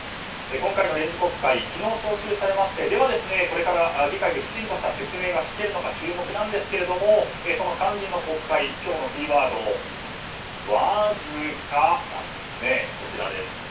今回の臨時国会昨日召集されまして、これから議会できちんとした説明が聞けるのか注目なんですがその肝心の国会今日のキーワード、ワズカです。